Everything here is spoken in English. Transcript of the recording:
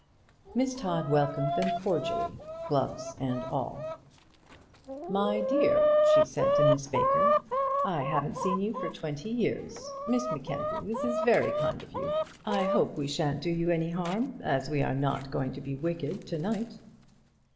Miss Todd welcomed them cordially, gloves and all. "My dear," she said to Miss Baker, "I haven't seen you for twenty years. Miss Mackenzie, this is very kind of you. I hope we sha'n't do you any harm, as we are not going to be wicked to night."